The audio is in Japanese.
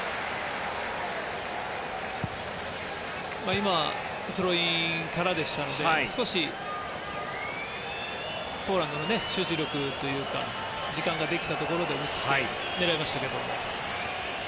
今はスローインからだったので少しポーランドの集中力というか時間ができたところで思い切って狙いましたけども。